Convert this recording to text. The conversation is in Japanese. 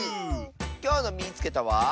きょうの「みいつけた！」は。